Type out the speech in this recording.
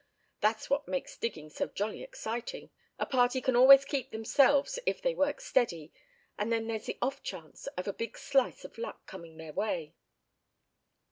That's what makes digging so jolly excitin', a party can always keep themselves if they work steady, and then there's the off chance of a big slice of luck comin' their way."